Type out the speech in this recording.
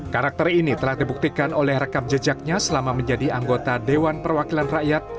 karakter ini telah dibuktikan oleh rekam jejaknya selama menjadi anggota dewan perwakilan rakyat